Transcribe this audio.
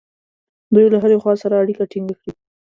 دوی له هرې خوا سره اړیکه ټینګه کړي.